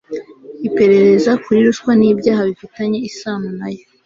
iperereza kuri ruswa n ibyaha bifitanye isano nayo